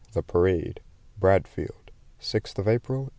THE PARADE, BRADFIELD, 6th April, 1882.